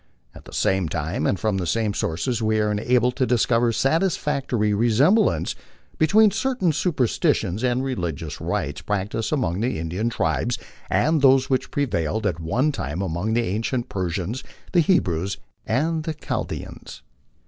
At the same time and from the same sources we are enabled to discover satisfactory resemblances between certain superstitions and religious rites practised among the Indian tribes and those which prevailed at one time among the ancient Persians, the Hebrews, and the Chaldeans.